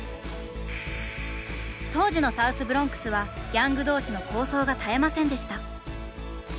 当時のサウスブロンクスはギャング同士の抗争が絶えませんでした。